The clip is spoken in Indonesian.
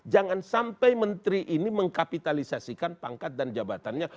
jangan sampai menteri ini mengkapitalisasikan pangkat dan jabatannya